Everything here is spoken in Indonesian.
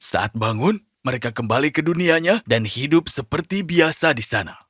saat bangun mereka kembali ke dunianya dan hidup seperti biasa di sana